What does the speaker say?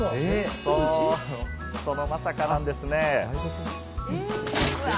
そのまさかなんですね。